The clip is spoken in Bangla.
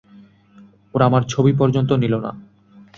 ওরা আমার ছবি পর্যন্ত নিলো না।